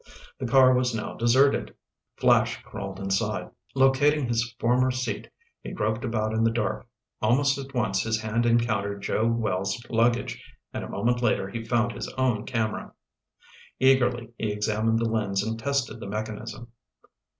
The car was now deserted. Flash crawled inside. Locating his former seat he groped about in the dark. Almost at once his hand encountered Joe Wells' luggage, and a moment later he found his own camera. Eagerly, he examined the lens and tested the mechanism.